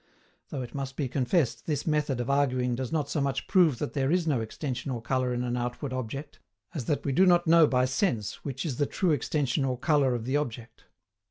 Though it must be confessed this method of arguing does not so much prove that there is no extension or colour in an outward object, as that we do not know by SENSE which is the TRUE extension or colour of the object.